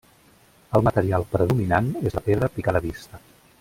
El material predominant és la pedra picada vista.